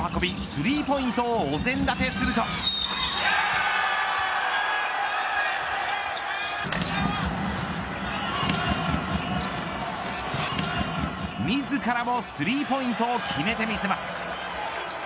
スリーポイントをお膳立てすると自らもスリーポイントを決めてみせます。